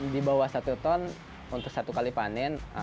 di bawah satu ton untuk satu kali panen